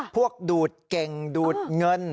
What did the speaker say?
ดูดเก่งดูดเงิน